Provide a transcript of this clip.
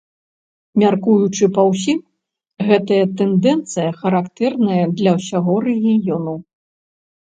Мяркуючы па ўсім, гэтая тэндэнцыя характэрная для ўсяго рэгіёну.